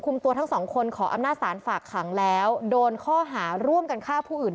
ตัวทั้งสองคนขออำนาจศาลฝากขังแล้วโดนข้อหาร่วมกันฆ่าผู้อื่น